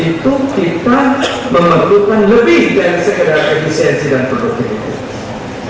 itu kita memerlukan lebih dari sekedar efisien dan produktif